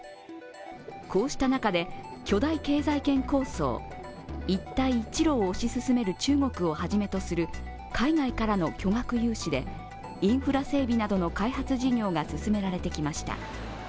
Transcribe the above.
こうした中で、巨大経済圏構想、一帯一路を推し進める中国をはじめとする海外からの巨額融資でインフラ整備などの開発事業が進められてきました。